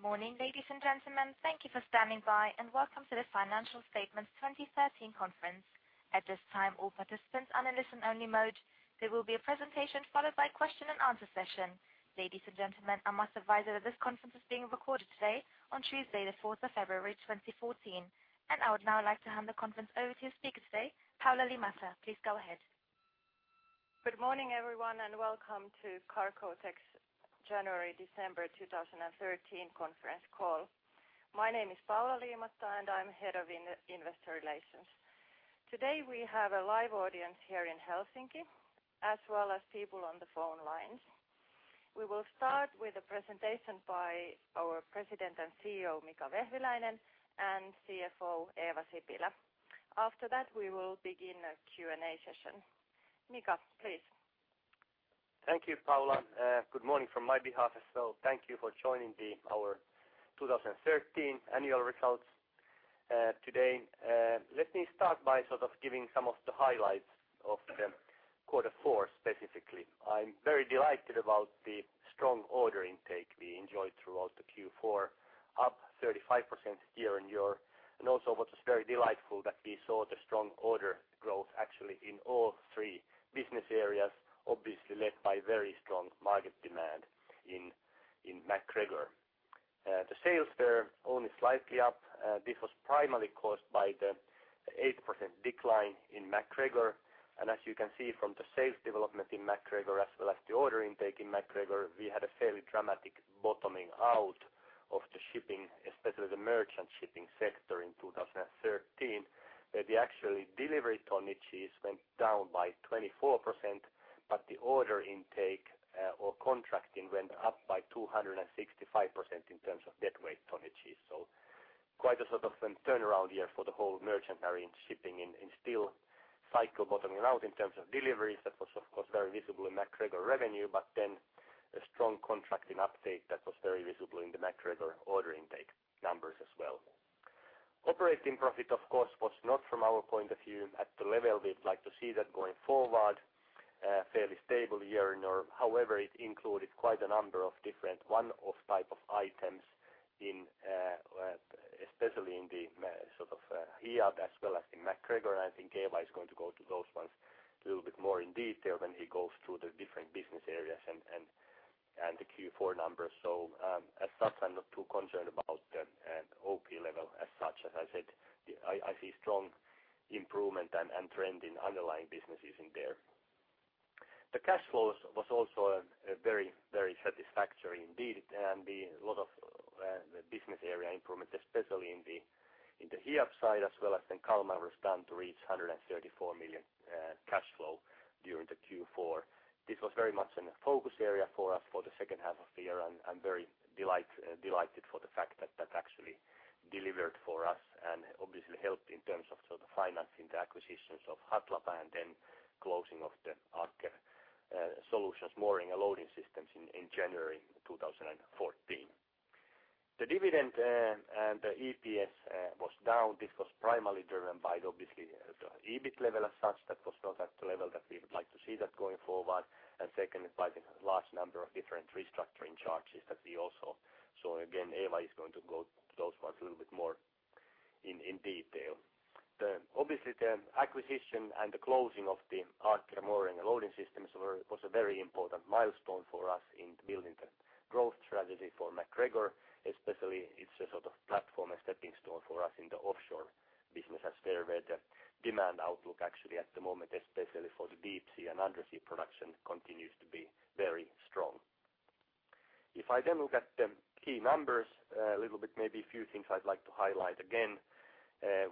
Good morning, ladies and gentlemen. Thank you for standing by, and welcome to the Financial Statements 2013 conference. At this time, all participants are in listen only mode. There will be a presentation followed by question and answer session. Ladies and gentlemen, I must advise that this conference is being recorded today on Tuesday, the 4th of February, 2014. I would now like to hand the conference over to speaker today, Paula Liimatta. Please go ahead. Good morning, everyone, and welcome to Cargotec's January, December 2013 conference call. My name is Paula Liimatta, and I'm Head of Investor Relations. Today, we have a live audience here in Helsinki, as well as people on the phone lines. We will start with a presentation by our President and CEO, Mika Vehviläinen, and CFO, Eeva Sipilä. After that, we will begin a Q&A session. Mika, please. Thank you, Paula. Good morning from my behalf as well. Thank you for joining our 2013 annual results today. Let me start by sort of giving some of the highlights of the quarter four specifically. I'm very delighted about the strong order intake we enjoyed throughout the Q4, up 35% year-on-year. Also what was very delightful that we saw the strong order growth actually in all three business areas, obviously led by very strong market demand in MacGregor. The sales were only slightly up. This was primarily caused by the 8% decline in MacGregor. As you can see from the sales development in MacGregor as well as the order intake in MacGregor, we had a fairly dramatic bottoming out of the shipping, especially the merchant shipping sector in 2013. Where the actually delivery tonnages went down by 24%, but the order intake, or contracting went up by 265% in terms of deadweight tonnages. Quite a sort of turnaround year for the whole merchant marine shipping in still cycle bottoming out in terms of deliveries. That was, of course, very visible in MacGregor revenue, a strong contracting update that was very visible in the MacGregor order intake numbers as well. Operating profit, of course, was not from our point of view at the level we'd like to see that going forward, fairly stable year-on-year. However, it included quite a number of different one-off type of items in, especially in Hiab as well as in MacGregor. I think Eeva is going to go to those ones a little bit more in detail when he goes through the different business areas and the Q4 numbers. As such, I'm not too concerned about the OP level as such. As I said, I see strong improvement and trend in underlying businesses in there. The cash flows was also a very satisfactory indeed, and the lot of the business area improvement, especially in the Hiab side as well as in Kalmar was done to reach 134 million cash flow during the Q4. This was very much in a focus area for us for the second half of the year, and I'm very delighted for the fact that that actually delivered for us and obviously helped in terms of sort of financing the acquisitions of Hatlapa and then closing of the Aker Solutions' mooring and loading systems in January 2014. The dividend and the EPS was down. This was primarily driven by obviously the EBIT level as such. That was not at the level that we would like to see that going forward. Second is by the large number of different restructuring charges that we also saw. Again, Eeva is going to go to those ones a little bit more in detail. The, obviously, the acquisition and the closing of the Aker Mooring and Loading Systems was a very important milestone for us in building the growth strategy for MacGregor. Especially, it's a sort of platform, a stepping stone for us in the offshore business as there where the demand outlook actually at the moment, especially for the deep sea and undersea production, continues to be very strong. If I then look at the key numbers a little bit, maybe a few things I'd like to highlight again.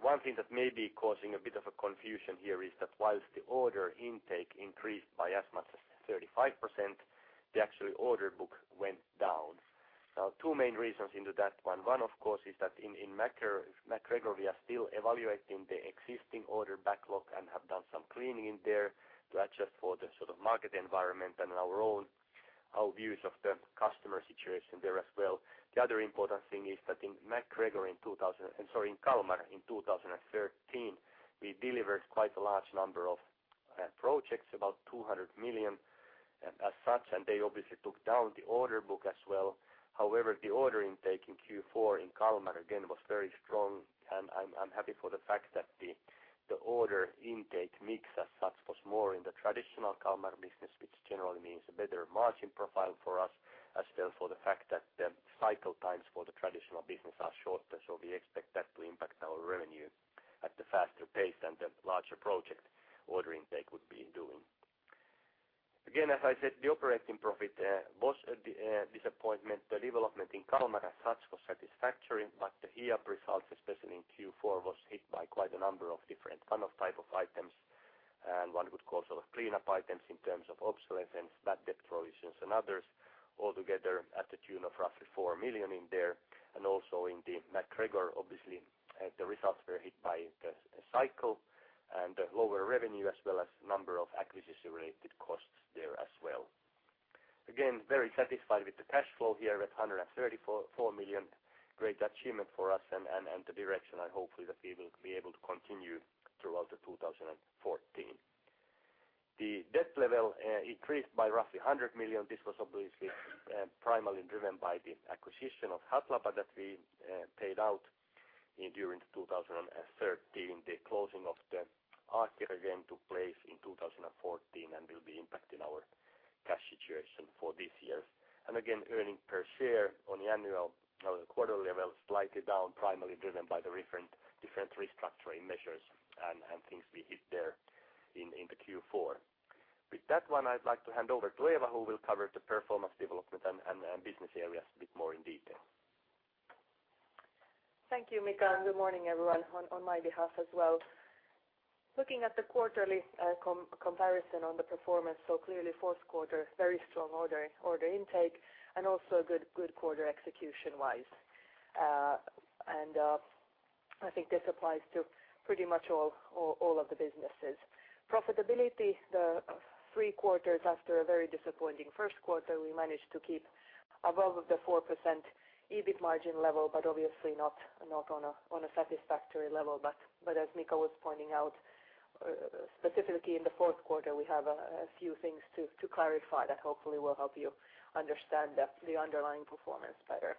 One thing that may be causing a bit of a confusion here is that whilst the order intake increased by as much as 35%, the actual order book went down. Two main reasons into that one. One, of course, is that in MacGregor, we are still evaluating the existing order backlog and have done some cleaning in there to adjust for the sort of market environment and our own, our views of the customer situation there as well. The other important thing is that in MacGregor in Kalmar in 2013, we delivered quite a large number of projects, about 200 million as such, and they obviously took down the order book as well. The order intake in Q4 in Kalmar again was very strong, and I'm happy for the fact that the order intake mix as such was more in the traditional Kalmar business, which generally means a better margin profile for us, as well for the fact that the cycle times for the traditional business are shorter. We expect that to impact our revenue at a faster pace than the larger project order intake would be doing. As I said, the operating profit was a disappointment. The development in Kalmar as such was satisfactory, but the Hiab results, especially in Q4, was hit by quite a number of different one-off type of items. One could call sort of cleanup items in terms of obsolescence, bad debt provisions, and others all together at the tune of roughly 4 million in there. Also in the MacGregor, obviously, the results were hit by the cycle and lower revenue as well as number of acquisition-related costs there as well. Very satisfied with the cash flow here at 134.4 million. Great achievement for us and the direction I hopefully that we will be able to continue throughout the 2014. The debt level increased by roughly 100 million. This was obviously primarily driven by the acquisition of Hatlapa that we paid out in during 2013. The closing of the Aker again took place in 2014 and will be impacting our cash situation for this year. Again, earnings per share on the annual quarterly level slightly down, primarily driven by the different restructuring measures and things we hit there in the Q4. With that one, I'd like to hand over to Eeva, who will cover the performance development and business areas a bit more in detail. Thank you, Mika, and good morning everyone on my behalf as well. Looking at the quarterly comparison on the performance, so clearly fourth quarter, very strong order intake and also good quarter execution-wise. I think this applies to pretty much all of the businesses. Profitability, the three quarters after a very disappointing first quarter, we managed to keep above of the 4% EBIT margin level, but obviously not on a satisfactory level. As Mika was pointing out, specifically in the fourth quarter, we have a few things to clarify that hopefully will help you understand the underlying performance better.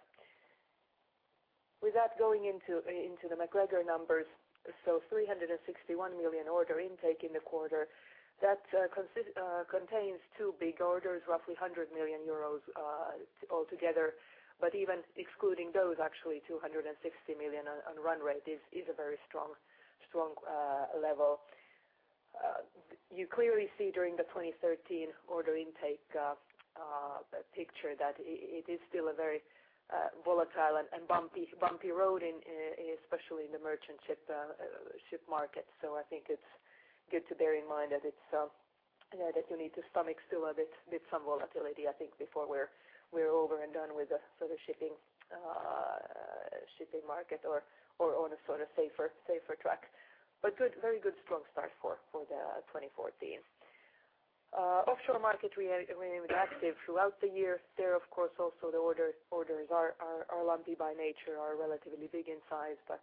Without going into the MacGregor numbers, so 361 million order intake in the quarter, that contains two big orders, roughly 100 million euros altogether. Even excluding those, actually 260 million on run rate is a very strong level. You clearly see during the 2013 order intake picture that it is still a very volatile and bumpy road especially in the merchant ship market. I think it's good to bear in mind that it's, you know, that you need to stomach still a bit some volatility, I think, before we're over and done with the sort of shipping market or on a sort of safer track. Good, very good strong start for the 2014. Offshore market remained active throughout the year. There, of course, also the order, orders are lumpy by nature, are relatively big in size, but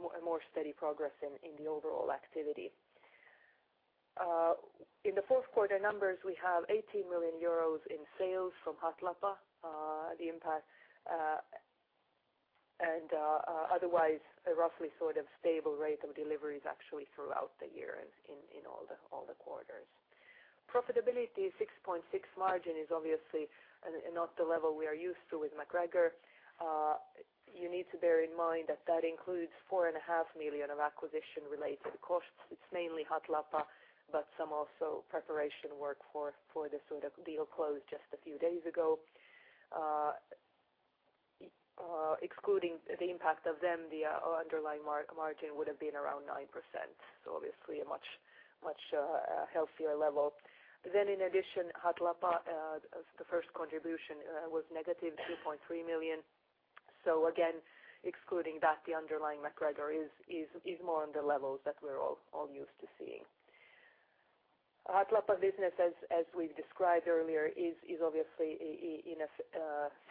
more and more steady progress in the overall activity. In the fourth quarter numbers, we have 80 million euros in sales from Hatlapa, the impact, and otherwise a roughly sort of stable rate of deliveries actually throughout the year in all the quarters. Profitability 6.6% margin is obviously not the level we are used to with MacGregor. You need to bear in mind that that includes 4.5 million of acquisition related costs. It's mainly Hatlapa, but some also preparation work for the sort of deal closed just a few days ago. Excluding the impact of them, the underlying margin would have been around 9%, obviously a much, much healthier level. In addition, Hatlapa, the first contribution was -2.3 million. Again, excluding that, the underlying MacGregor is more on the levels that we're all used to seeing. Hatlapa businesses, as we've described earlier, is obviously in a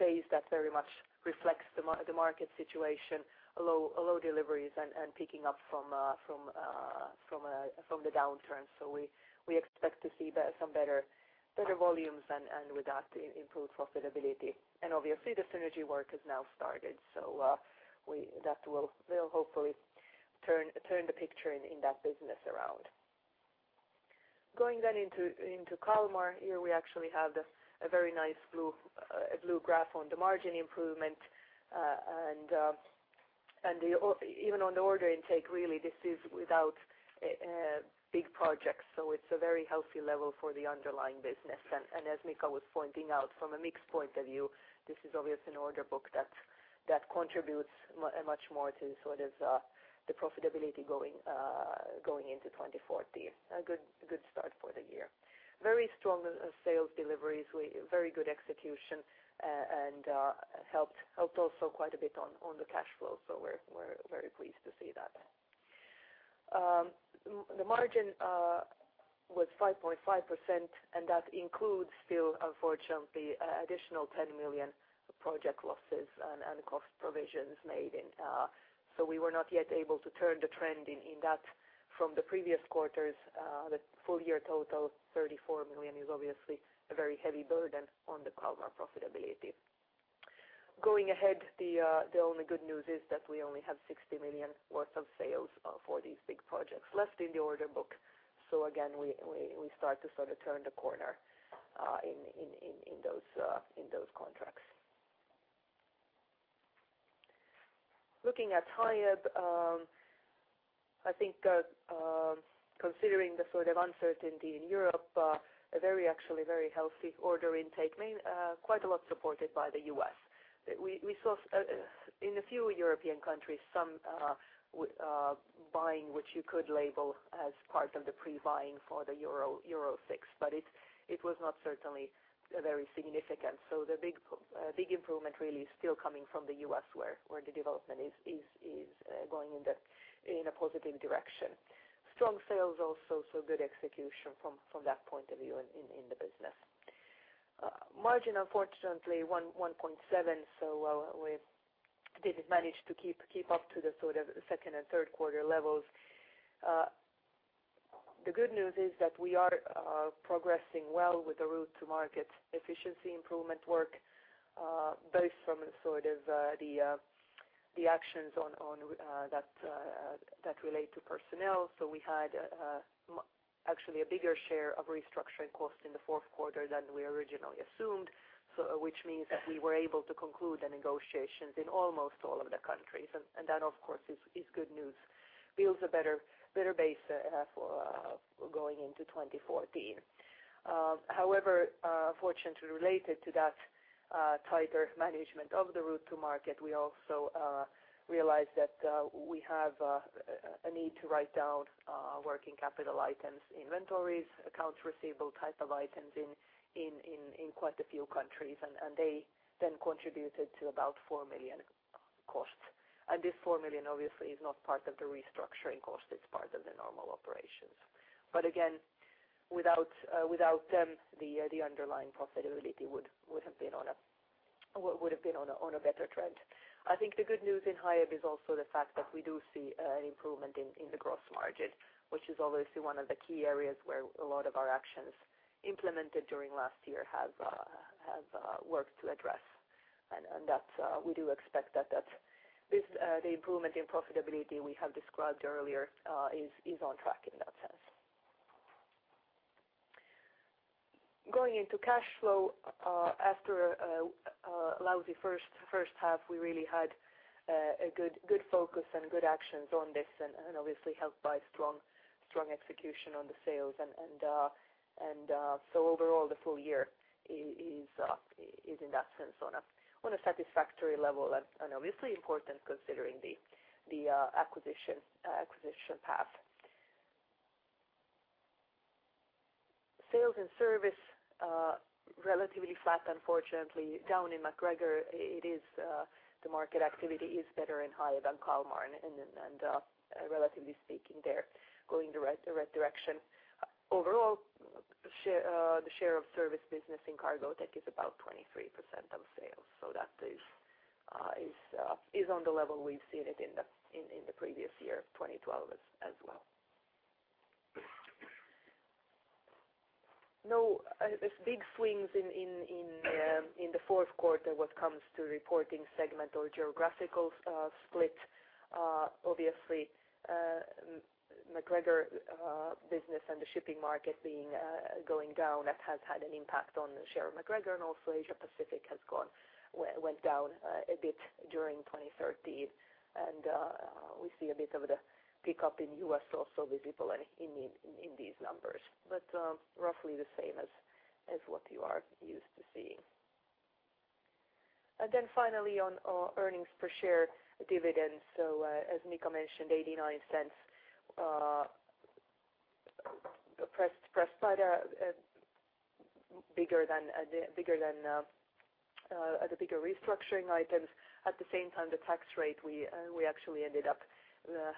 phase that very much reflects the market situation, low deliveries and picking up from the downturn. We expect to see some better volumes and with that, improve profitability. Obviously the synergy work has now started. That will hopefully turn the picture in that business around. Going into Kalmar, here we actually have the a very nice blue graph on the margin improvement. Even on the order intake, really this is without big projects, so it's a very healthy level for the underlying business. As Mika was pointing out from a mix point of view, this is obviously an order book that contributes much more to sort of the profitability going into 2040. A good start for the year. Very strong sales deliveries. Very good execution and helped also quite a bit on the cash flow. We're very pleased to see that. The margin was 5.5%. That includes still unfortunately, additional 10 million project losses and cost provisions made in. We were not yet able to turn the trend in that from the previous quarters. The full year total, 34 million, is obviously a very heavy burden on the Kalmar profitability. Going ahead, the only good news is that we only have 60 million worth of sales for these big projects left in the order book. Again, we start to sort of turn the corner in those contracts. Looking at Hiab, I think considering the sort of uncertainty in Europe, a very, actually very healthy order intake, quite a lot supported by the U.S. We saw in a few European countries some buying, which you could label as part of the pre-buying for the Euro 6, but it was not certainly very significant. The big improvement really is still coming from the U.S. where the development is going in a positive direction. Strong sales also. Good execution from that point of view in the business. Margin unfortunately 1.7%. We didn't manage to keep up to the sort of second and third quarter levels. The good news is that we are progressing well with the route-to-market efficiency improvement work, both from the sort of the actions on that relate to personnel. We had, actually a bigger share of restructuring costs in the fourth quarter than we originally assumed. Which means that we were able to conclude the negotiations in almost all of the countries, and that of course, is good news. Builds a better base for going into 2014. However, fortunately related to that, tighter management of the route-to-market, we also realized that we have a need to write down working capital items, inventories, accounts receivable type of items in quite a few countries and they then contributed to about 4 million costs. This 4 million obviously is not part of the restructuring costs, it's part of the normal operations. Again, without them, the underlying profitability would have been on a better trend. I think the good news in Hiab is also the fact that we do see an improvement in the gross margin, which is obviously one of the key areas where a lot of our actions implemented during last year have worked to address. That we do expect that this, the improvement in profitability we have described earlier, is on track in that sense. Going into cash flow, after a lousy first half, we really had a good focus and good actions on this and obviously helped by strong execution on the sales. Overall the full year is in that sense on a satisfactory level and obviously important considering the acquisition path. Sales and service relatively flat, unfortunately down in MacGregor, it is the market activity is better and higher than Kalmar and relatively speaking, they're going the right direction. Overall share, the share of service business in Cargotec is about 23% of sales. That is on the level we've seen it in the previous year, 2012 as well. There's big swings in the fourth quarter when it comes to reporting segment or geographical split. Obviously MacGregor business and the shipping market being going down that has had an impact on the share of MacGregor and also Asia Pacific went down a bit during 2013. we see a bit of the pickup in U.S. also visible in these numbers. roughly the same as what you are used to seeing. finally on earnings per share dividends as Mika mentioned, 0.89 pressed by the bigger than the bigger than the bigger restructuring items. At the same time, the tax rate, we actually ended up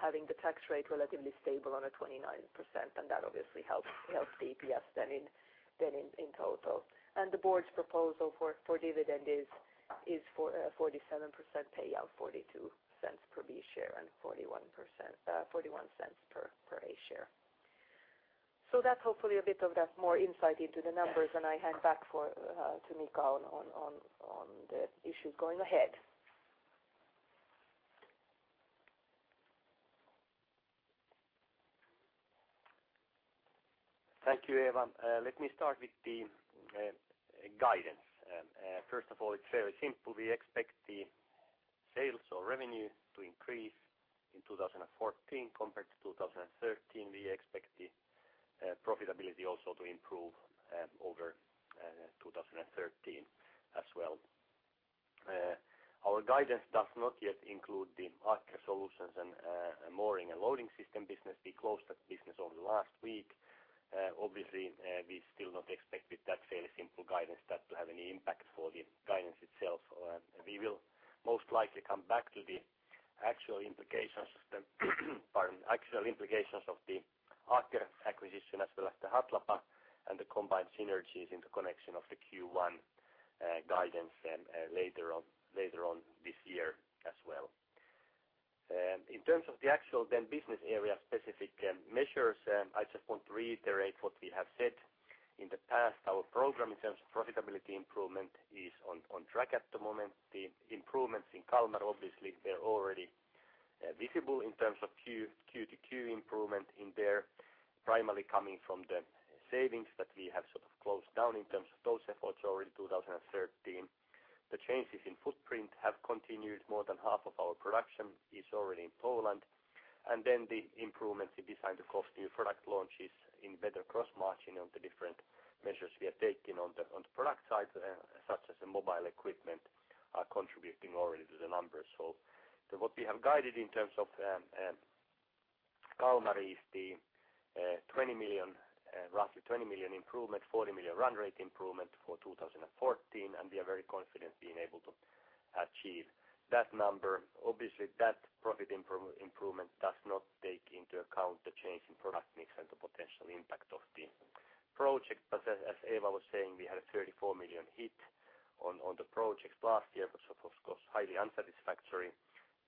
having the tax rate relatively stable on a 29%, and that obviously helped the EPS in total. The board's proposal for dividend is for a 47% payout, 0.42 per B share and 41%, 0.41 per A share. That's hopefully a bit of that more insight into the numbers, and I hand back for to Mika on the issues going ahead. Thank you, Eeva. Let me start with the guidance. First of all, it's very simple. We expect the sales or revenue to increase in 2014 compared to 2013. We expect the profitability also to improve over 2013 as well. Our guidance does not yet include the Aker Solutions and Mooring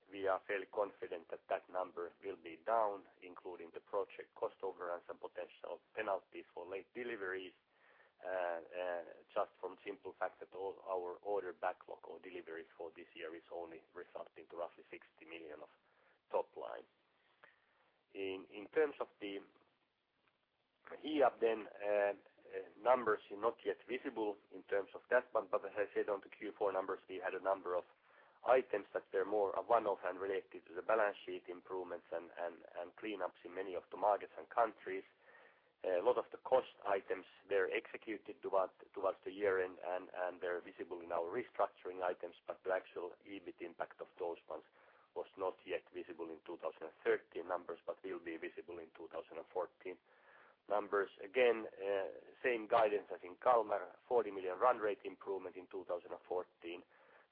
We are fairly confident that that number will be down, including the project cost overruns and potential penalties for late deliveries. Just from simple fact that all our order backlog or deliveries for this year is only resulting to roughly 60 million of top line. In terms of the Hiab, numbers not yet visible in terms of that one. As I said on the Q4 numbers, we had a number of items that they're more a one-off and related to the balance sheet improvements and cleanups in many of the markets and countries. A lot of the cost items, they're executed towards the year end, and they're visible in our restructuring items. The actual EBIT impact of those ones was not yet visible in 2013 numbers, but will be visible in 2014 numbers. Again, same guidance as in Kalmar, 40 million run rate improvement in 2014.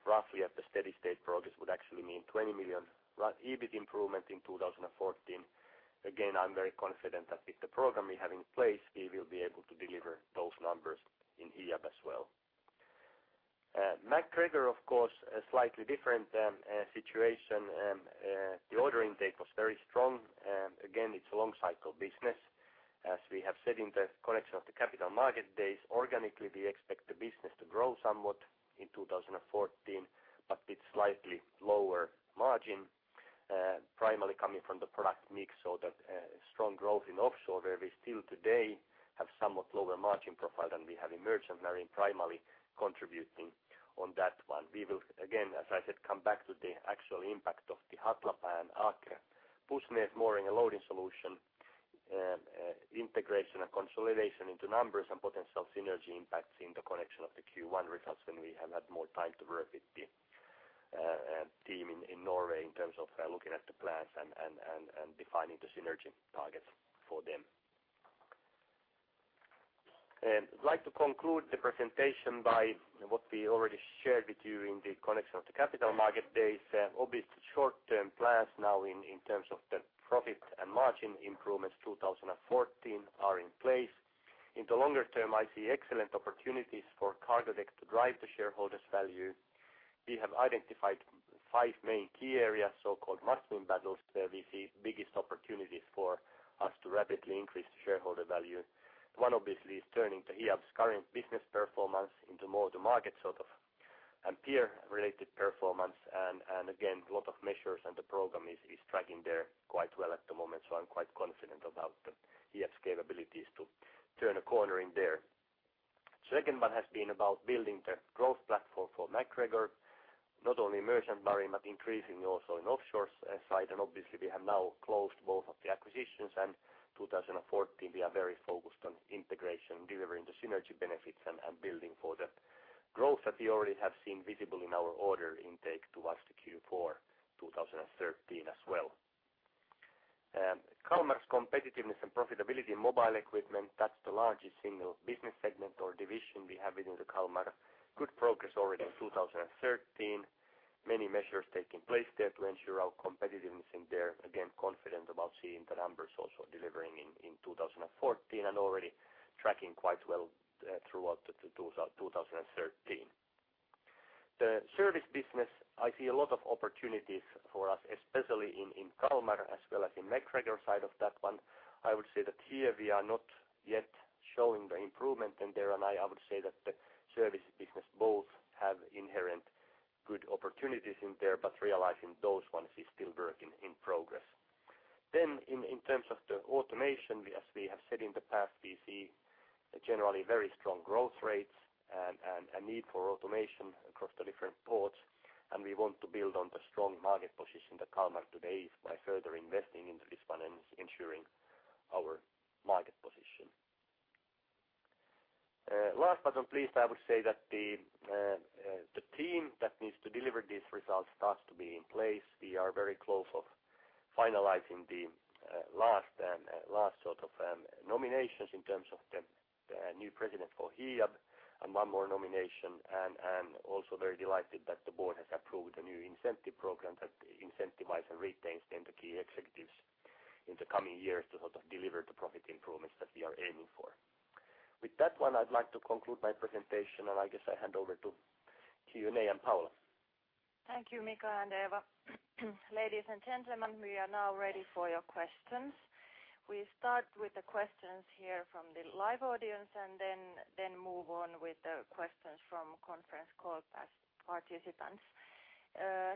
Roughly at the steady state progress would actually mean 20 million EBIT improvement in 2014. Again, I'm very confident that with the program we have in place, we will be able to deliver those numbers in Hiab as well. MacGregor of course, a slightly different situation. The order intake was very strong. Again, it's a long cycle business. As we have said in the connection of the Capital Markets Days, organically, we expect the business to grow somewhat in 2014, but with slightly lower margin, primarily coming from the product mix. Strong growth in offshore where we still today have somewhat lower margin profile than we have in merchant marine, primarily contributing on that one. We will, again, as I said, come back to the actual impact of the Hatlapa and Aker, Pusnes, Mooring and Loading Solution, integration and consolidation into numbers and potential synergy impacts in the connection of the Q1 results when we have had more time to work with the team in Norway in terms of looking at the plans and defining the synergy targets for them. I'd like to conclude the presentation by what we already shared with you in the connection of the Capital Markets Day. Obviously, the short-term plans now in terms of the profit and margin improvements 2014 are in place. In the longer term, I see excellent opportunities for Cargotec to drive the shareholders' value. We have identified five main key areas, so-called must-win battles, where we see biggest opportunities for us to rapidly increase the shareholder value. One, obviously, is turning to Hiab's current business performance into more of the market sort of and peer-related performance. Again, a lot of measures and the program is tracking there quite well at the moment. I'm quite confident about the Hiab's capabilities to turn a corner in there. Second one has been about building the growth platform for MacGregor, not only in merchant marine, but increasingly also in offshore side. Obviously, we have now closed both of the acquisitions. 2014, we are very focused on integration, delivering the synergy benefits, and building for the growth that we already have seen visible in our order intake towards the Q4 2013 as well. Kalmar's competitiveness and profitability in mobile equipment, that's the largest single business segment or division we have within the Kalmar. Good progress already in 2013. Many measures taking place there to ensure our competitiveness in there. Again, confident about seeing the numbers also delivering in 2014, and already tracking quite well throughout 2013. The service business, I see a lot of opportunities for us, especially in Kalmar as well as in MacGregor side of that one. I would say that here we are not yet showing the improvement in there. I would say that the service business both have inherent good opportunities in there, but realizing those ones is still work in progress. In terms of the automation, we, as we have said in the past, we see generally very strong growth rates and a need for automation across the different ports. We want to build on the strong market position that Kalmar today is by further investing into this one and ensuring our market position. Last but not least, I would say that the team that needs to deliver these results starts to be in place. We are very close of finalizing the last sort of nominations in terms of the new President for Hiab. One more nomination, I'm also very delighted that the board has approved a new incentive program that incentivize and retains then the key executives in the coming years to sort of deliver the profit improvements that we are aiming for. With that one, I'd like to conclude my presentation, and I guess I hand over to Q&A and Paula. Thank you, Mika and Eeva. Ladies and gentlemen, we are now ready for your questions. We start with the questions here from the live audience, then move on with the questions from conference call participants.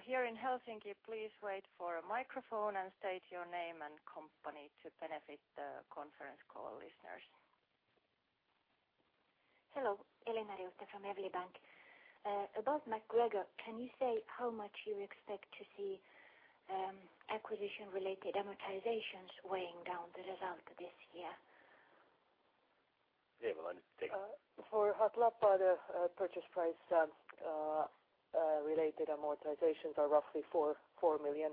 Here in Helsinki, please wait for a microphone and state your name and company to benefit the conference call listeners. Hello, Elina Ryöty from Evli Bank. About MacGregor, can you say how much you expect to see acquisition-related amortizations weighing down the result this year? Eeva, why don't you take it? For Hatlapa, the purchase price related amortizations are roughly 4 million.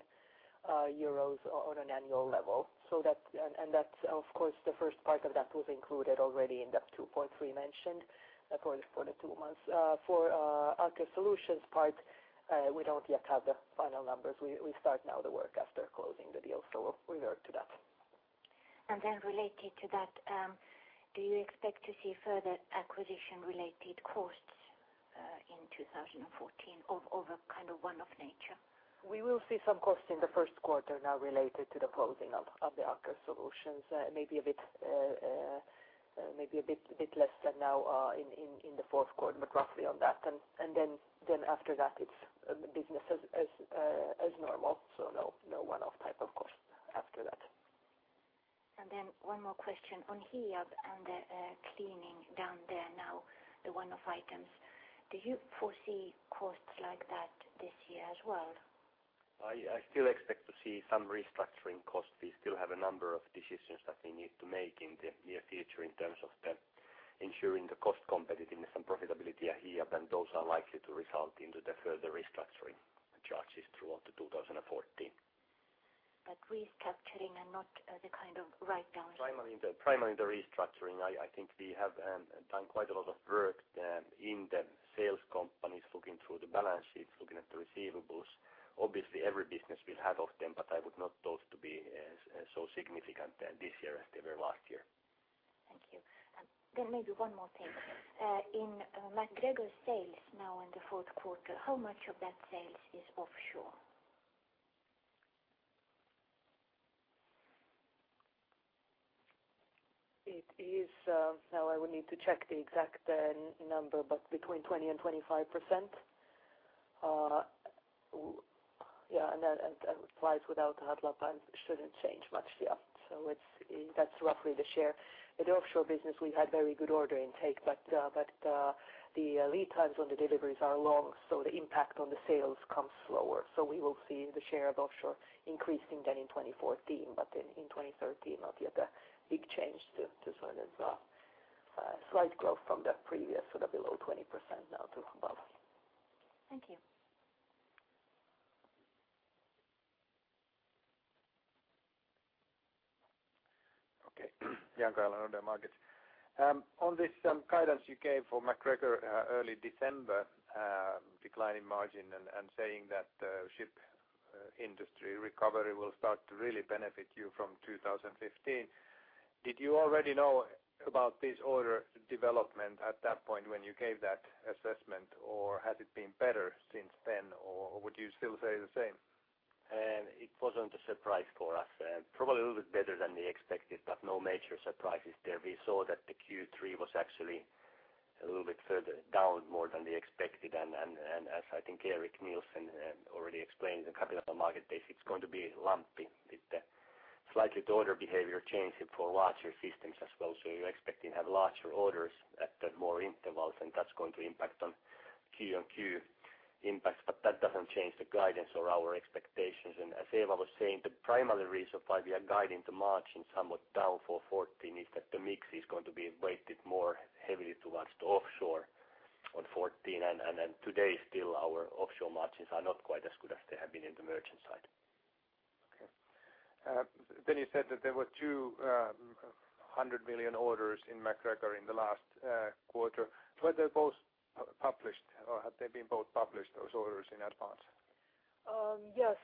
Euros on an annual level. That's of course the first part of that was included already in that 2.3 mentioned, of course, for the two months. For Aker Solutions' part, we don't yet have the final numbers. We start now the work after closing the deal, so we'll revert to that. Related to that, do you expect to see further acquisition related costs in 2014 of a kind of one-off nature? We will see some costs in the first quarter now related to the closing of the Aker Solutions. Maybe a bit less than now in the fourth quarter, but roughly on that. Then after that it's business as normal. No one-off type of cost after that. One more question. On Hiab and the cleaning down there now, the one-off items, do you foresee costs like that this year as well? I still expect to see some restructuring costs. We still have a number of decisions that we need to make in the near future in terms of the ensuring the cost competitiveness and profitability are here, then those are likely to result into the further restructuring charges throughout 2014. restructuring and not, the kind of write-down. Primarily the restructuring. I think we have done quite a lot of work in the sales companies looking through the balance sheets, looking at the receivables. Obviously, every business will have of them, but I would not those to be so significant this year as they were last year. Thank you. Maybe one more thing. In MacGregor sales now in the fourth quarter, how much of that sales is offshore? It is, now I will need to check the exact number, but between 20% and 25%. yeah, and that, applies without the Hatlapa and shouldn't change much, yeah. That's roughly the share. In the offshore business, we've had very good order intake, but the lead times on the deliveries are long, so the impact on the sales comes slower. We will see the share of offshore increasing then in 2014. In 2013, not yet a big change to sort of slight growth from the previous, sort of below 20% now to above. Thank you. Okay. Jan Kaijala on the Nordea Markets. On this guidance you gave for MacGregor, early December, declining margin and saying that ship industry recovery will start to really benefit you from 2015, did you already know about this order development at that point when you gave that assessment, or has it been better since then, or would you still say the same? It wasn't a surprise for us. Probably a little bit better than we expected, but no major surprises there. We saw that the Q3 was actually a little bit further down more than we expected. As I think Mikael Mäkinen already explained in the Capital Markets Day, it's going to be lumpy with the slightly the order behavior changing for larger systems as well. You're expecting to have larger orders at more intervals, and that's going to impact on Q on Q impacts. That doesn't change the guidance or our expectations. As Eeva Sipilä was saying, the primary reason why we are guiding the margin somewhat down for 2014 is that the mix is going to be weighted more heavily towards the offshore on 2014. Today still our offshore margins are not quite as good as they have been in the merchant side. Okay. You said that there were 200 million orders in MacGregor in the last quarter. Were they both published or had they been both published those orders in advance? Yes,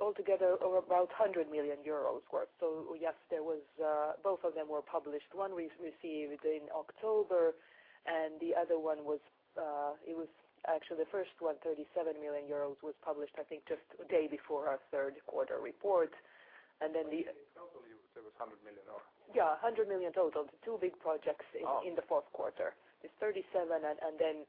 altogether or about 100 million euros worth. Yes, there was, both of them were published. One we received in October and the other one was, it was actually the first one, 37 million euros was published I think just a day before our third quarter report. In total you said it was EUR 100 million, or? Yeah, 100 million total. The two big projects in the fourth quarter. It's 37 and then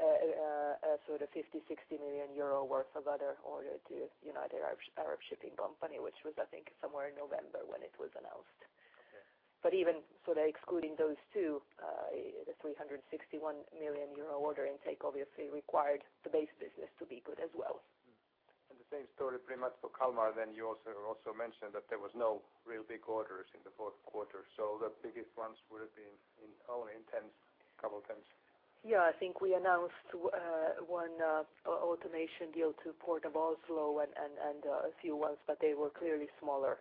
a sort of 50 million-60 million euro worth of other order to United Arab Shipping Company, which was I think somewhere in November when it was announced. Okay. Even sort of excluding those two, the 361 million euro order intake obviously required the base business to be good as well. The same story pretty much for Kalmar then. You also mentioned that there was no real big orders in the fourth quarter. The biggest ones would have been in only in tens, couple tens. I think we announced one automation deal to Port of Oslo and a few ones, but they were clearly smaller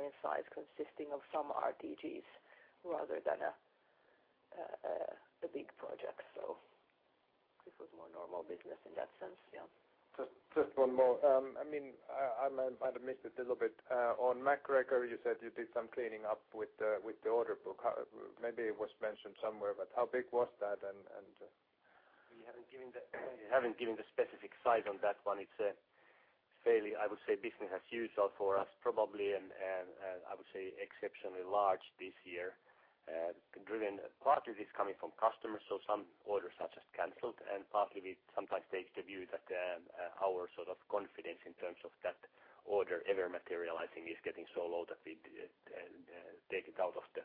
in size, consisting of some RTGs rather than a big project. This was more normal business in that sense. Just one more. I mean, I might have missed it a little bit. On MacGregor, you said you did some cleaning up with the order book. Maybe it was mentioned somewhere, but how big was that and? We haven't given the specific size on that one. It's fairly, I would say business as usual for us probably and, I would say exceptionally large this year. Driven partly this coming from customers, so some orders are just canceled. Partly we sometimes take the view that our sort of confidence in terms of that order ever materializing is getting so low that we take it out of the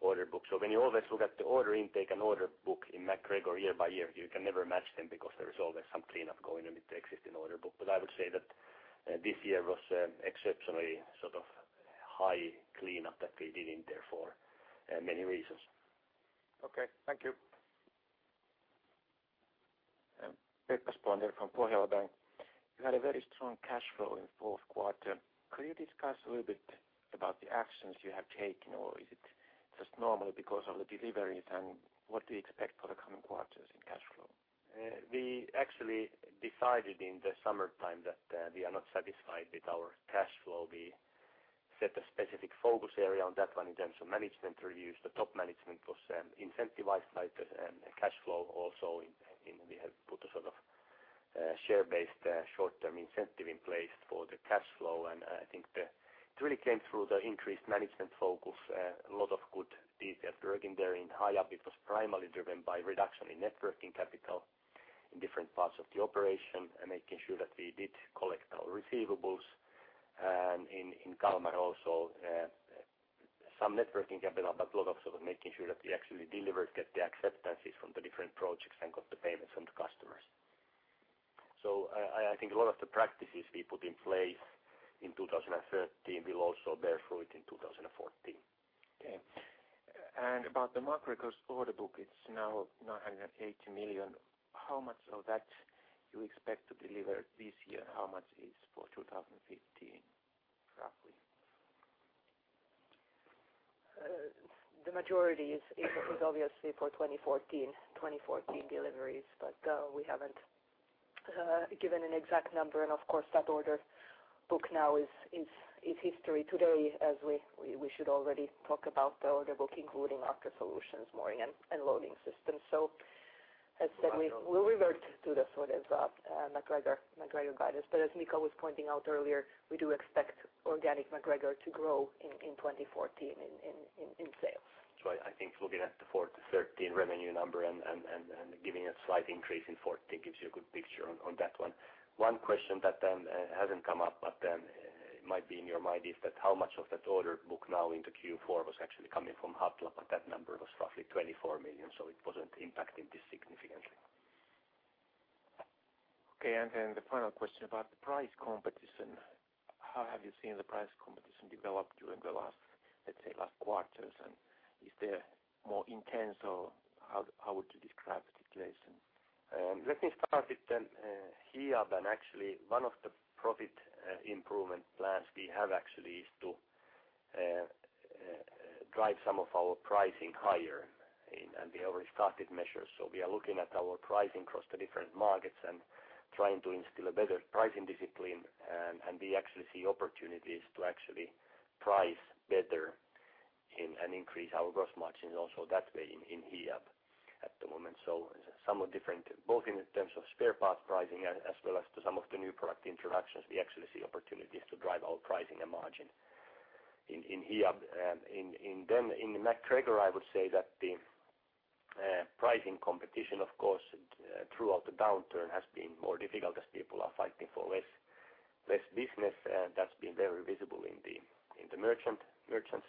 order book. When you always look at the order intake and order book in MacGregor year by year, you can never match them because there is always some cleanup going on with the existing order book. I would say that this year was exceptionally sort of high cleanup that we did in there for many reasons. Okay. Thank you. From Pohjola Bank. You had a very strong cash flow in fourth quarter. Could you discuss a little bit about the actions you have taken, or is it just normal because of the deliveries? What do you expect for the coming quarters in cash flow? We actually decided in the summertime that we are not satisfied with our cash flow. We set a specific focus area on that one in terms of management reviews. The top management was incentivized by the cash flow also. We have put a sort of share-based short-term incentive in place for the cash flow. I think it really came through the increased management focus. A lot of good detail work in there. In Hiab it was primarily driven by reduction in net working capital in different parts of the operation and making sure that we did collect our receivables. In Kalmar also, some net working capital, but a lot of sort of making sure that we actually delivered, get the acceptances from the different projects and got the payments from the customers. I think a lot of the practices we put in place in 2013 will also bear fruit in 2014. Okay. About the MacGregor's order book, it's now 980 million. How much of that do you expect to deliver this year? How much is for 2015, roughly? The majority is obviously for 2014 deliveries, but we haven't given an exact number. Of course, that order book now is history. Today, as we should already talk about the order book, including Aker Solutions' Mooring and Loading Systems. As said, we'll revert to the sort of MacGregor guidance. As Mika was pointing out earlier, we do expect organic MacGregor to grow in 2014 in sales. That's right. I think looking at the 2014, 2013 revenue number and giving a slight increase in 2014 gives you a good picture on that one. One question that hasn't come up but might be in your mind is that how much of that order book now into Q4 was actually coming from Hatlapa, but that number was roughly 24 million, so it wasn't impacting this significantly. Okay. Then the final question about the price competition. How have you seen the price competition develop during the last, let's say, last quarters, is there more intense, or how would you describe the situation? Let me start with then Hiab. Actually one of the profit improvement plans we have actually is to drive some of our pricing higher in, and we already started measures. We are looking at our pricing across the different markets and trying to instill a better pricing discipline. We actually see opportunities to actually price better and increase our gross margins also that way in Hiab at the moment. Some of different, both in terms of spare parts pricing as well as to some of the new product introductions, we actually see opportunities to drive our pricing and margin in Hiab. In MacGregor, I would say that the pricing competition of course, throughout the downturn has been more difficult as people are fighting for less business. That's been very visible in the merchant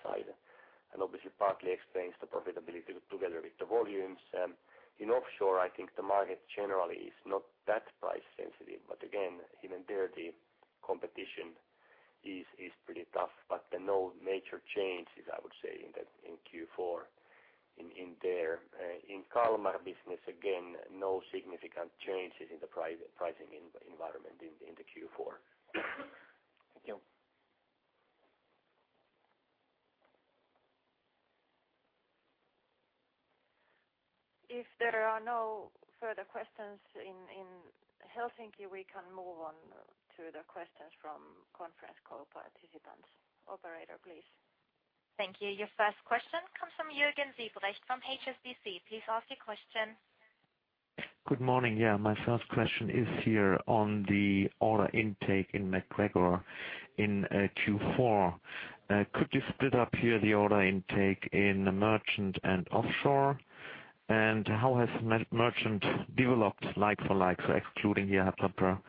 side and obviously partly explains the profitability together with the volumes. In offshore, I think the market generally is not that price sensitive, but again, even there the competition is pretty tough. No major changes, I would say, in Q4 in there. In Kalmar business, again, no significant changes in the pricing environment in Q4. Thank you. If there are no further questions in Helsinki, we can move on to the questions from conference call participants. Operator, please. Thank you. Your first question comes from Juergen Siebrecht from HSBC. Please ask your question. Good morning. Yeah, my first question is here on the order intake in MacGregor in Q4. Could you split up here the order intake in merchant and offshore? How has merchant developed like for like, so excluding the Hatlapa,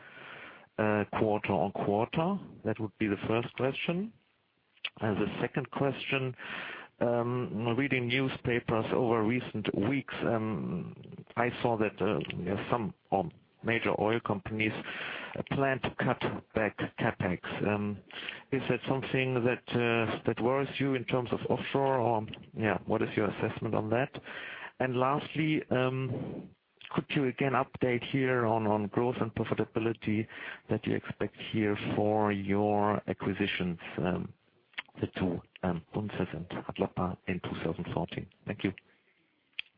quarter-on-quarter? That would be the first question. As a second question, reading newspapers over recent weeks, I saw that some major oil companies plan to cut back CapEx. Is that something that worries you in terms of offshore? Yeah. What is your assessment on that? Lastly, could you again update here on growth and profitability that you expect here for your acquisitions, the two Pusnes and Hatlapa in 2014? Thank you.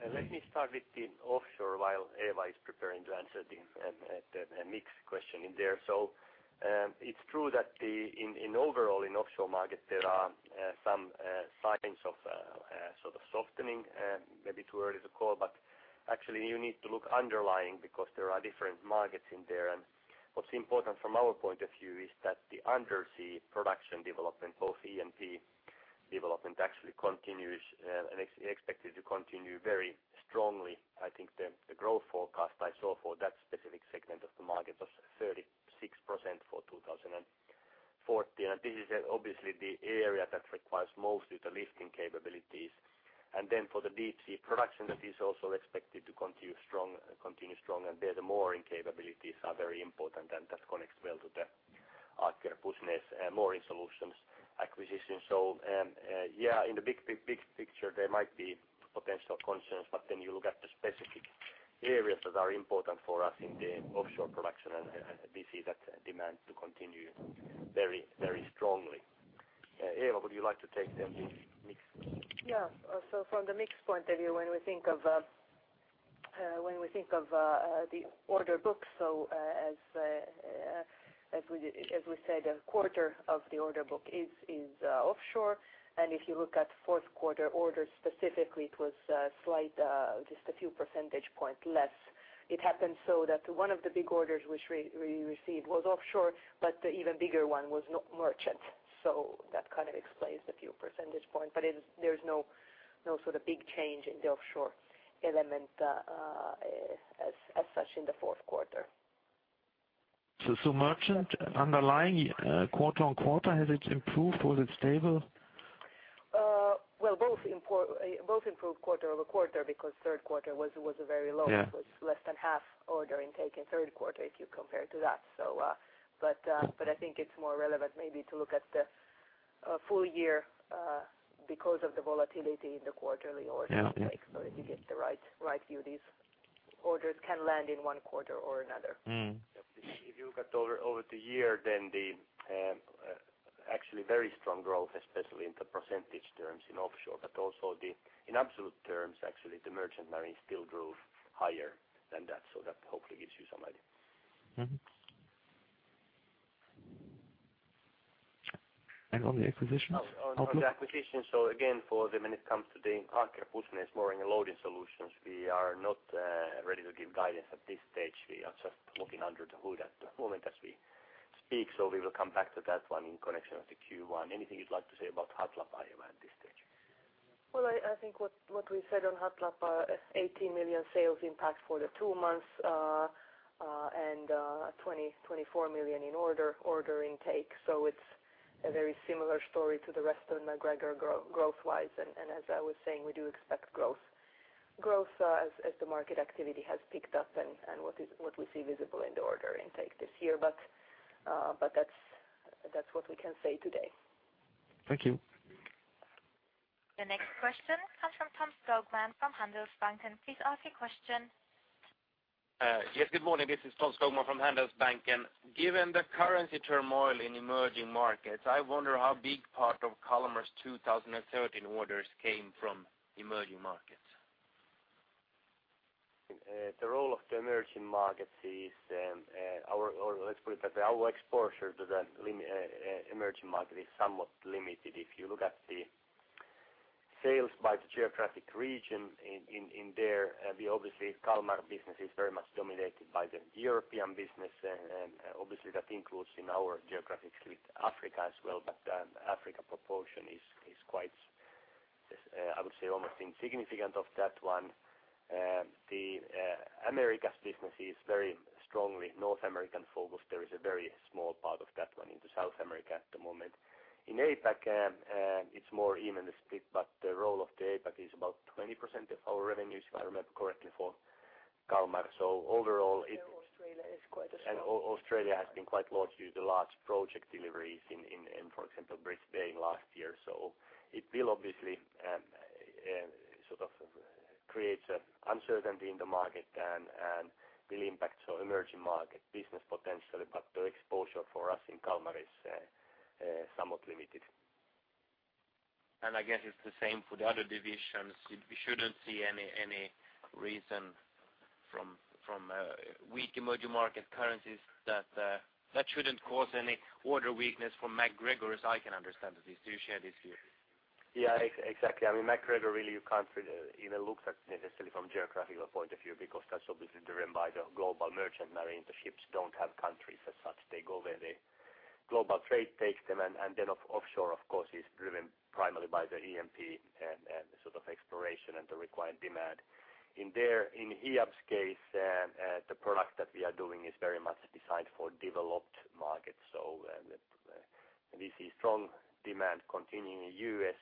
Let me start with the offshore while Eeva is preparing to answer the mixed question in there. It's true that the in overall in offshore market there are some signs of sort of softening. Maybe too early to call, but actually you need to look underlying because there are different markets in there. What's important from our point of view is that the undersea production development, both E&P development actually continues and expected to continue very strongly. I think the growth forecast I saw for that specific segment of the market was 36% for 2014. This is obviously the area that requires mostly the lifting capabilities. For the deep sea production, that is also expected to continue strong, continue strong, and there the mooring capabilities are very important, and that connects well to the Aker Solutions, and mooring solutions acquisition. Yeah, in the big, big, big picture, there might be potential concerns, you look at the specific areas that are important for us in the offshore production and we see that demand to continue very, very strongly. Eeva, would you like to take then the mix? Yeah. From the mix point of view, when we think of, when we think of the order book, as we said, a quarter of the order book is offshore. If you look at fourth quarter orders specifically, it was slight, just a few percentage point less. It happened so that one of the big orders which we received was offshore, but the even bigger one was merchant. That kind of explains the few percentage point, but there's no sort of big change in the offshore element as such in the fourth quarter. Merchant underlying, quarter-on-quarter, has it improved or is it stable? Well, both improved quarter-over-quarter because third quarter was a very low. Yeah. It was less than half order intake in third quarter if you compare to that. But I think it's more relevant maybe to look at the full year, because of the volatility in the quarterly order intake. Yeah. that you get the right view. These orders can land in one quarter or another. Mm. If you look at over the year, the, actually very strong growth, especially in the percentage terms in offshore, but also the, in absolute terms, actually, the merchant marine still drove higher than that. That hopefully gives you some idea. Mm-hmm. On the acquisitions outlook? On the acquisitions, again, for the minute comes to the Aker Solutions mooring and loading solutions, we are not ready to give guidance at this stage. We are just looking under the hood at the moment as we speak. We will come back to that one in connection with the Q1. Anything you'd like to say about Hatlapa, Eeva, at this stage? Well, I think what we said on Hatlapa, 18 million sales impact for the two months, and 24 million in order intake. It's a very similar story to the rest of the MacGregor growth-wise. As I was saying, we do expect growth as the market activity has picked up and what we see visible in the order intake this year. That's what we can say today. Thank you. The next question comes from Tom Skogman from Handelsbanken. Please ask your question. Yes. Good morning. This is Tom Skogman from Handelsbanken. Given the currency turmoil in emerging markets, I wonder how big part of Kalmar's 2013 orders came from emerging markets. The role of the emerging markets is, our exposure to the emerging market is somewhat limited. If you look at the sales by the geographic region in there, we obviously, Kalmar business is very much dominated by the European business. Obviously, that includes in our geographic split, Africa as well. Africa proportion is quite, I would say almost insignificant of that one. The Americas business is very strongly North American-focused. There is a very small part of that one into South America at the moment. In APAC, it's more evenly split, but the role of the APAC is about 20% of our revenues, if I remember correctly, for Kalmar. Overall. Australia is quite a small- Australia has been quite lucky with the large project deliveries in, for example, Brisbane last year. It will obviously sort of create a uncertainty in the market and will impact our emerging market business potentially. The exposure for us in Kalmar is somewhat limited. I guess it's the same for the other divisions. We shouldn't see any reason from weak emerging market currencies that shouldn't cause any order weakness for MacGregor as I can understand it. Do you share this view? Exactly. I mean, MacGregor really you can't really even look at necessarily from geographical point of view because that's obviously driven by the global merchant marine. The ships don't have countries as such. They go where the global trade takes them. Then offshore, of course, is driven primarily by the E&P and sort of exploration and the required demand. In there, in Hiab's case, the product that we are doing is very much designed for developed markets. We see strong demand continuing in U.S.,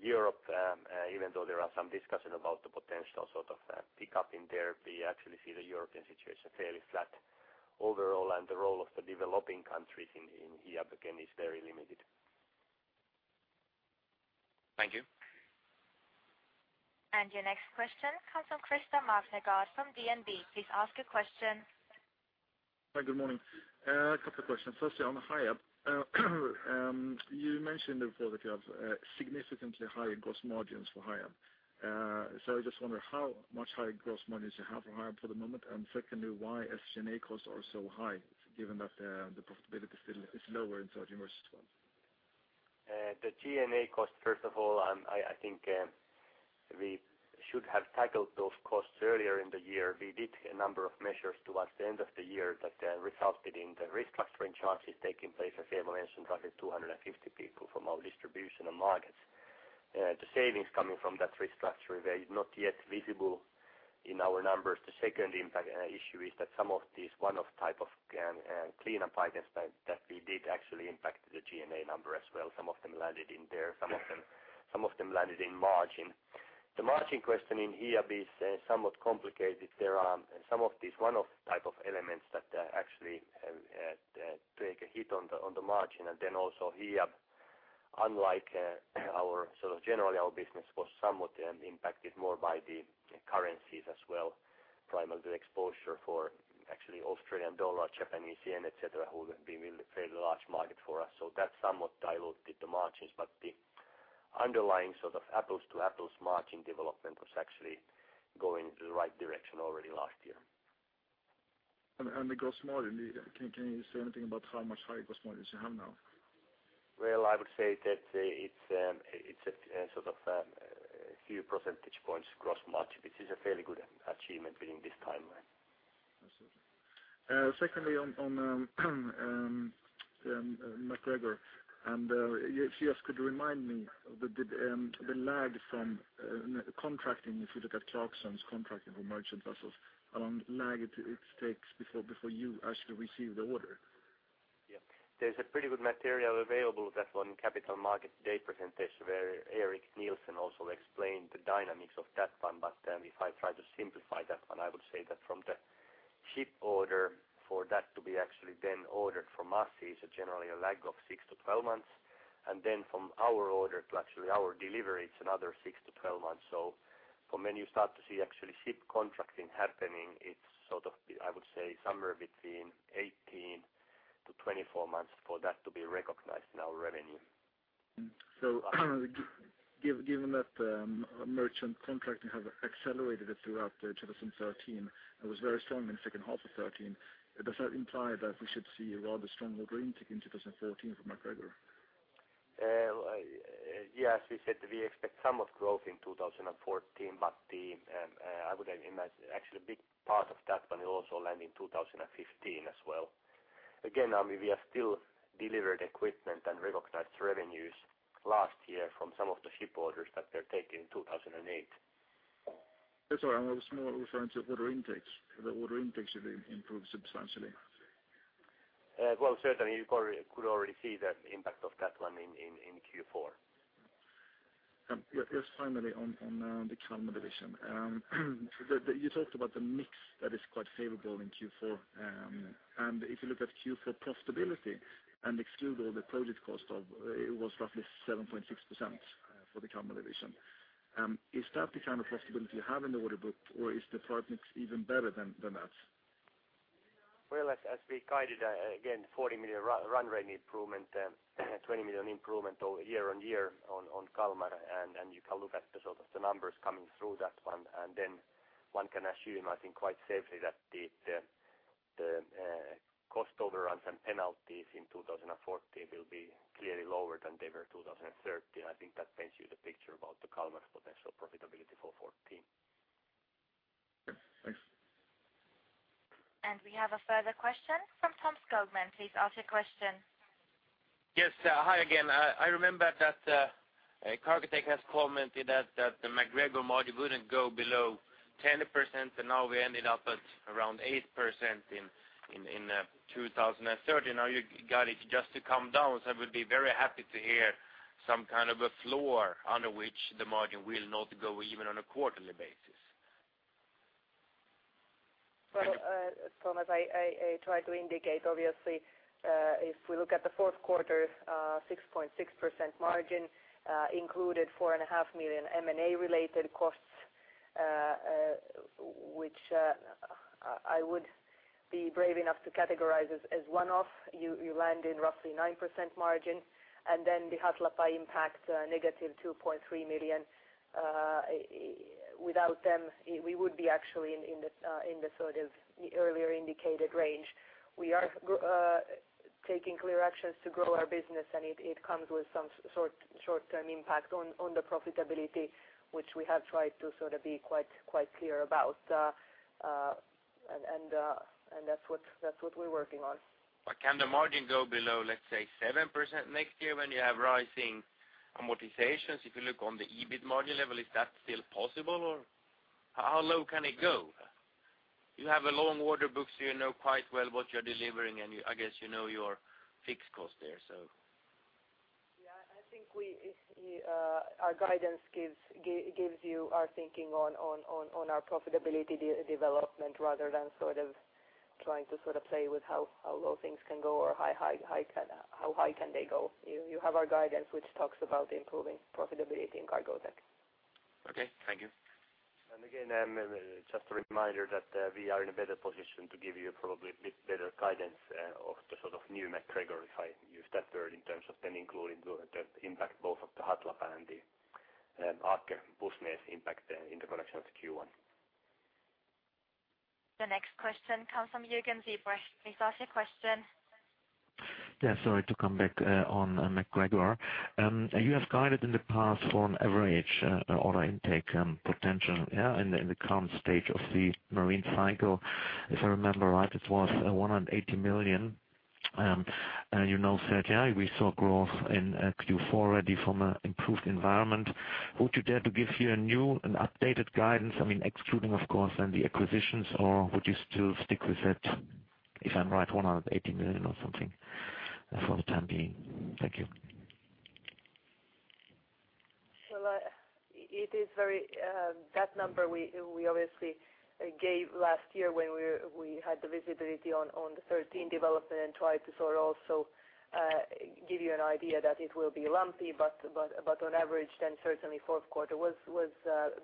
Europe, even though there are some discussions about the potential sort of pickup in there, we actually see the European situation fairly flat overall. The role of the developing countries in Hiab, again, is very limited. Thank you. Your next question comes from Christer Magnergård from DNB. Please ask your question. Hi, good morning. A couple of questions. Firstly, on Hiab, you mentioned before that you have, significantly higher gross margins for Hiab. I just wonder how much higher gross margins you have for Hiab for the moment. Secondly, why SG&A costs are so high given that, the profitability still is lower in charge emerges as well? The G&A cost, first of all, we should have tackled those costs earlier in the year. We did a number of measures towards the end of the year that resulted in the restructuring charges taking place, as Eeva mentioned, roughly 250 people from our distribution and markets. The savings coming from that restructuring, they're not yet visible in our numbers. The second impact, issue is that some of these one-off type of cleanup items that we did actually impacted the G&A number as well. Some of them landed in there. Some of them landed in margin. The margin question in Hiab is somewhat complicated. There are some of these one-off type of elements that actually have take a hit on the margin. Hiab, generally our business was somewhat impacted more by the currencies as well. Primarily the exposure for actually Australian dollar, Japanese yen, et cetera, who have been a fairly large market for us. That somewhat diluted the margins. The underlying sort of apples to apples margin development was actually going in the right direction already last year. The gross margin, can you say anything about how much higher gross margins you have now? Well, I would say that, it's a, sort of, a few percentage points gross margin, which is a fairly good achievement within this timeline. Absolutely. Secondly, on MacGregor, if you just could remind me of the lag from contracting if you look at Clarksons contracting for merchant vessels, around lag it takes before you actually receive the order? There's a pretty good material available that's on Capital Markets Day presentation, where Eric Nielsen also explained the dynamics of that one. If I try to simplify that one, I would say that from the ship order for that to be actually then ordered from us is generally a lag of six-12 months. From our order to actually our delivery, it's another six-12 months. From when you start to see actually ship contracting happening, it's sort of, I would say, somewhere between 18-24 months for that to be recognized in our revenue. Given that, merchant contracting have accelerated throughout 2013 and was very strong in the second half of 2013, does that imply that we should see a rather stronger intake in 2014 for MacGregor? Yes. We said we expect some of growth in 2014, but I would imagine actually a big part of that one will also land in 2015 as well. We have still delivered equipment and recognized revenues last year from some of the ship orders that were taken in 2008. That's all right. I was more referring to order intakes. The order intakes have improved substantially. well, certainly you could already see the impact of that one in Q4. Just finally on the Kalmar division. You talked about the mix that is quite favorable in Q4. If you look at Q4 profitability and exclude all the project cost of it was roughly 7.6% for the Kalmar division. Is that the kind of profitability you have in the order book or is the target even better than that? Well, as we guided, again, 40 million run rate improvement, 20 million improvement year-on-year on Kalmar. You can look at the sort of the numbers coming through that one. Then one can assume, I think, quite safely that the cost overruns and penalties in 2014 will be clearly lower than they were in 2013. I think that paints you the picture about the Kalmar's potential profitability for 2014. Yeah. Thanks. We have a further question from Tom Skogman. Please ask your question. Hi again. I remember that Cargotec has commented that the MacGregor margin wouldn't go below 10%, and now we ended up at around 8% in 2013. Now you got it just to come down. I would be very happy to hear some kind of a floor under which the margin will not go even on a quarterly basis. Well, Thomas, I tried to indicate, obviously, if we look at the fourth quarter's 6.6% margin, included 4.5 million M&A related costs, which I would be brave enough to categorize as one-off. You land in roughly 9% margin. The Hatlapa impact, negative 2.3 million. Without them, we would be actually in the sort of earlier indicated range. We are taking clear actions to grow our business, and it comes with some short-term impact on the profitability, which we have tried to sort of be quite clear about. That's what we're working on. Can the margin go below, let's say, 7% next year when you have rising amortizations? If you look on the EBIT margin level, is that still possible or how low can it go? You have a long order book, so you know quite well what you're delivering, and I guess you know your fixed cost there. Yeah. I think we our guidance gives you our thinking on our profitability development rather than sort of trying to sort of play with how low things can go or how high can they go. You have our guidance which talks about improving profitability in Cargotec. Okay. Thank you. Again, just a reminder that we are in a better position to give you probably bit better guidance of the sort of new MacGregor, if I use that word, in terms of then including the impact both of the Hatlapa and the Aker Pusnes impact in the correction of Q1. The next question comes from Juergen Siebrecht. Please ask your question. Sorry to come back on MacGregor. You have guided in the past for an average order intake potential, yeah, in the current stage of the marine cycle. If I remember right, it was 180 million. You now said, yeah, we saw growth in Q4 already from an improved environment. Would you dare to give here a new and updated guidance? I mean, excluding of course then the acquisitions or would you still stick with that? If I'm right, 180 million or something for the time being. Thank you. Well, it is very... That number we obviously gave last year when we had the visibility on the 2013 development and tried to sort of also give you an idea that it will be lumpy. But on average, then certainly fourth quarter was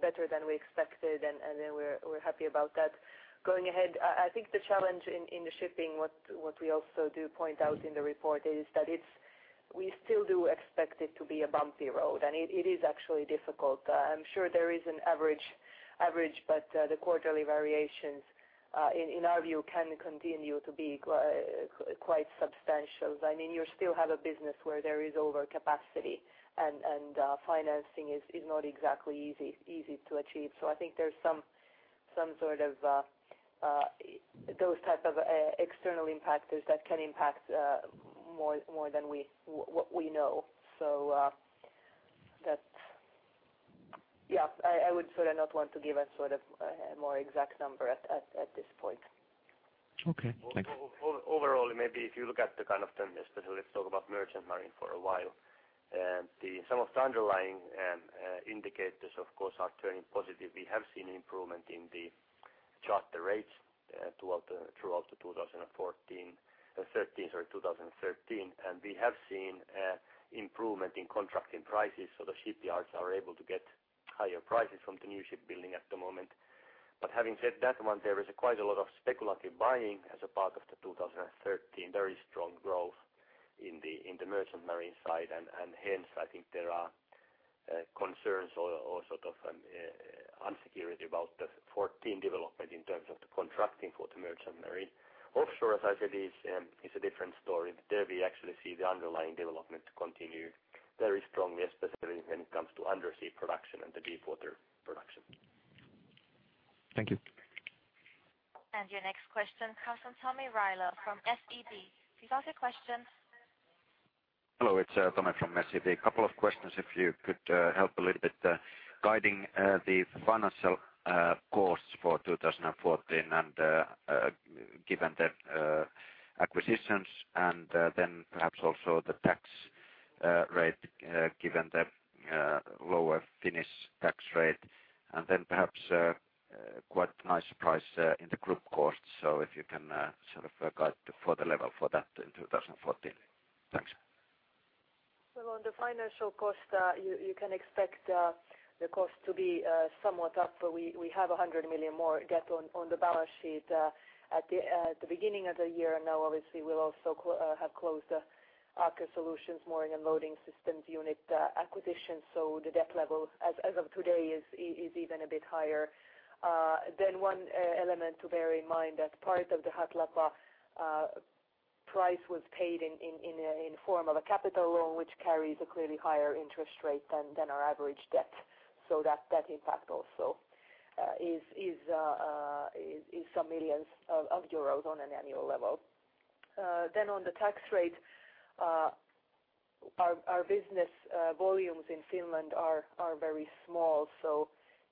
better than we expected, and then we're happy about that. Going ahead, I think the challenge in the shipping, what we also do point out in the report is that we still do expect it to be a bumpy road. It is actually difficult. I'm sure there is an average, but the quarterly variations in our view, can continue to be quite substantial. I mean, you still have a business where there is overcapacity and financing is not exactly easy to achieve. I think there's some sort of those type of external impactors that can impact more than what we know. That's. Yeah. I would sort of not want to give a sort of a more exact number at this point. Okay. Thanks. Overall, maybe if you look at the kind of trend, especially let's talk about merchant marine for a while. Some of the underlying indicators of course are turning positive. We have seen improvement in the charter rates throughout the 2014, 2013, sorry, 2013. We have seen improvement in contracting prices, so the shipyards are able to get higher prices from the new ship building at the moment. Having said that one, there is quite a lot of speculative buying as a part of the 2013, very strong growth in the merchant marine side. Hence, I think there are concerns or sort of an unsecurity about the 2014 development in terms of the contracting for the merchant marine. Offshore, as I said, is a different story. There we actually see the underlying development continue very strongly, especially when it comes to undersea production and the deepwater production. Thank you. Your next question comes from Tomi Rimala from SEB. Please ask your question. Hello, it's Tomi from SEB. A couple of questions if you could help a little bit. Guiding the financial costs for 2014 and given the acquisitions and then perhaps also the tax rate given the lower Finnish tax rate. Perhaps quite nice price in the group costs. If you can sort of guide the further level for that in 2014. Thanks. Well, on the financial cost, you can expect the cost to be somewhat up. We have 100 million more debt on the balance sheet at the beginning of the year. Now obviously we'll also have closed the Aker Solutions' mooring and loading systems unit acquisition. The debt level as of today is even a bit higher. One element to bear in mind that part of the Hatlapa price was paid in a form of a capital loan, which carries a clearly higher interest rate than our average debt. That impact also is some millions of EUR on an annual level. Then on the tax rate, our business volumes in Finland are very small.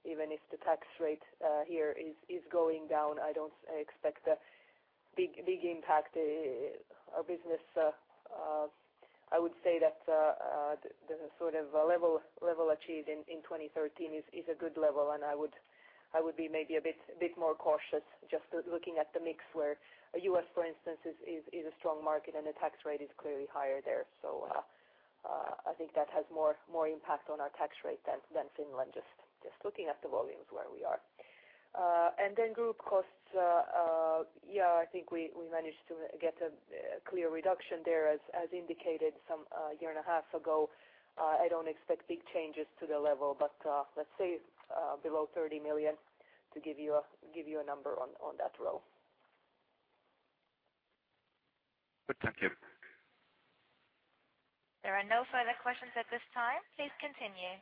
Even if the tax rate here is going down, I don't expect a big impact. Our business, I would say that the sort of level achieved in 2013 is a good level, and I would be maybe a bit more cautious just looking at the mix where U.S., for instance, is a strong market and the tax rate is clearly higher there. I think that has more impact on our tax rate than Finland, just looking at the volumes where we are. Uh, and then group costs, uh, uh, yeah, I think we, we managed to get a clear reduction there as, as indicated some, uh, year and a half ago. Uh, I don't expect big changes to the level, but, uh, let's say, uh, below thirty million to give you a, give you a number on, on that row. Good. Thank you. There are no further questions at this time. Please continue.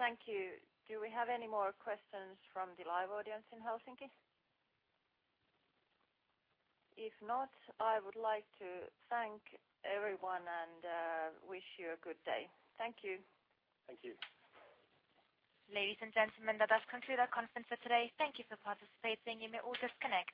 Thank you. Do we have any more questions from the live audience in Helsinki? If not, I would like to thank everyone and wish you a good day. Thank you. Thank you. Ladies and gentlemen, that does conclude our conference for today. Thank you for participating. You may all disconnect.